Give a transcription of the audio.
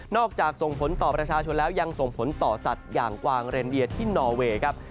อกจากส่งผลต่อประชาชนแล้วยังส่งผลต่อสัตว์อย่างกวางเรนเดียที่นอเวย์ครับ